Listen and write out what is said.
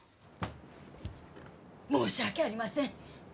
申し訳ありません。